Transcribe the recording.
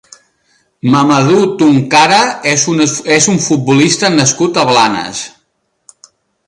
Mamadou Tounkara és un futbolista nascut a Blanes.